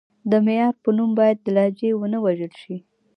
د معیار په نوم باید لهجې ونه وژل شي.